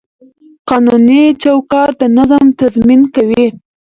قانوني چوکاټ د نظم تضمین کوي.